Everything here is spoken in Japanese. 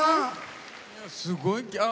すごいあ！